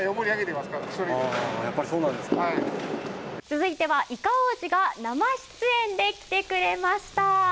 続いてはイカ王子が生出演で来てくれました！